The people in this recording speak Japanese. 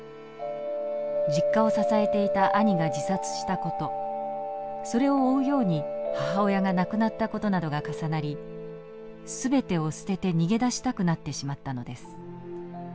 実家を支えていた兄が自殺したことそれを追うように母親が亡くなったことなどが重なりすべてを捨てて逃げ出したくなってしまったのです。